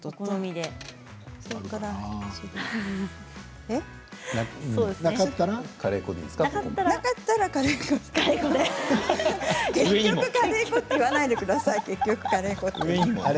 結局カレー粉って言わないでください。